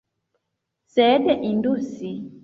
Sed indus!